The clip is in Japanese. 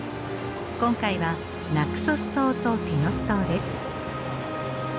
今回はナクソス島とティノス島です。